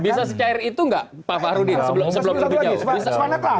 bisa secair itu nggak pak farudin sebelum berbicara